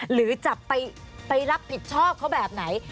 หรือจะไปรับผิดชอบเขาแบบไหน